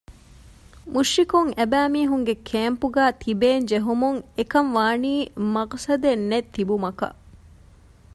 މުޝްރިކުން އެބައިމީހުންގެ ކޭމްޕުގައި ތިބޭން ޖެހުމުން އެކަންވާނީ މަޤްޞަދެއްނެތް ތިބުމަކަށް